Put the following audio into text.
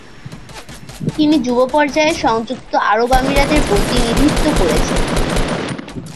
তিনি যুব পর্যায়ে সংযুক্ত আরব আমিরাতের প্রতিনিধিত্ব করেছেন।